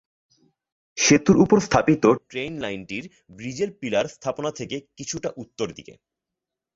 সেতুর ওপর স্থাপিত ট্রেন লাইনটির ব্রিজের পিলার স্থাপনা থেকে কিছুটা উত্তর দিকে।